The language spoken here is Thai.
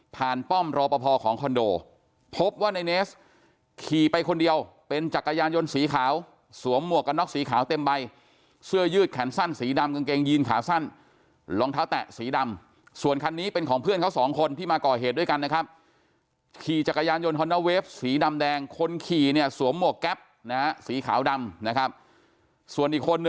ป้อมรอปภของคอนโดพบว่าในเนสขี่ไปคนเดียวเป็นจักรยานยนต์สีขาวสวมหมวกกันน็อกสีขาวเต็มใบเสื้อยืดแขนสั้นสีดำกางเกงยีนขาสั้นรองเท้าแตะสีดำส่วนคันนี้เป็นของเพื่อนเขาสองคนที่มาก่อเหตุด้วยกันนะครับขี่จักรยานยนต์ฮอนด้าเวฟสีดำแดงคนขี่เนี่ยสวมหมวกแก๊ปนะฮะสีขาวดำนะครับส่วนอีกคนน